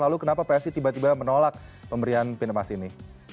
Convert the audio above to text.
lalu kenapa psi tiba tiba menolak pemberian pin emas ini